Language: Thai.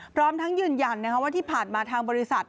พร้อมทั้งยืนยันว่าที่ผ่านมาทางบริษัท